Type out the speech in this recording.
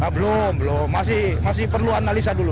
belum belum masih perlu analisa dulu